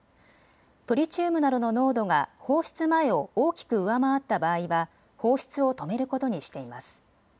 トリチウムなどの濃度が放出前を大きく上回った場合は放出を止めることにしています。